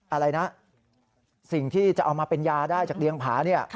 อะไรนะสิ่งที่จะเอามาเป็นยาได้จากเลี้ยงผาเนี่ย